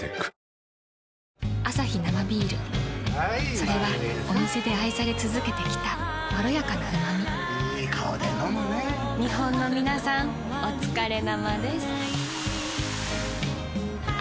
それはお店で愛され続けてきたいい顔で飲むね日本のみなさんおつかれ生です。